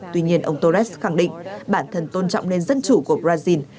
tuy nhiên ông torres khẳng định bản thân tôn trọng nền dân chủ của brazil